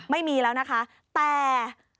ไม่มีแล้วนะคะแต่